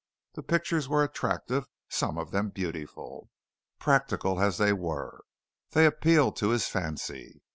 The pictures were attractive, some of them beautiful, practical as they were. They appealed to his fancy.